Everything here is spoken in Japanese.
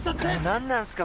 何なんすか？